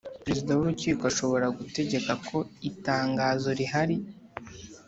Perezida w Urukiko ashobora gutegeka ko itangazo rihari